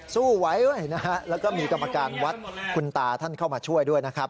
สู้ไว้แล้วก็มีกรรมการวัดคุณตาท่านเข้ามาช่วยด้วย